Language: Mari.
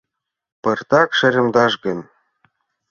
— Пыртак шеремдаш гын...